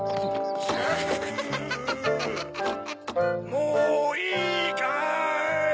もういいかい？